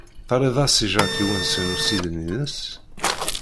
Terriḍ-as i Jacques iwensen ussiden ines?